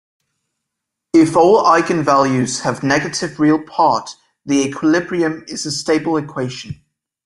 If all eigenvalues have negative real part, the equilibrium is a stable equation.